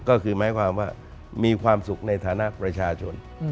ก็คือหมายความว่ามีความสุขในฐานะประชาชน